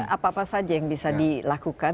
apa apa saja yang bisa dilakukan